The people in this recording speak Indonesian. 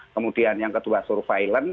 kemudian yang kedua surveillance